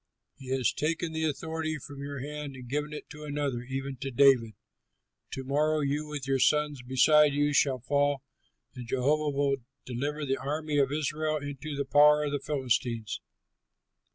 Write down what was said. He has taken the authority from your hand and given it to another, even to David. To morrow you, with your sons beside you, shall fall, and Jehovah will deliver the army of Israel into the power of the Philistines."